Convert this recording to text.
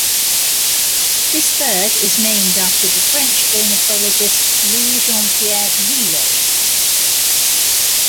This bird is named after the French ornithologist Louis Jean Pierre Vieillot.